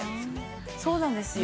そうなんですよ。